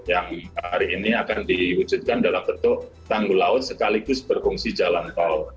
yang hari ini akan diwujudkan dalam bentuk tanggul laut sekaligus berfungsi jalan tol